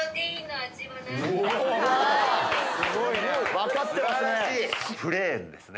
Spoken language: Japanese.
分かってますね！